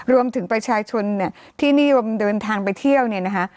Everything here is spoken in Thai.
รวมถึงประชาชนเนี่ยที่นิยมเดินทางไปเที่ยวเนี่ยนะคะ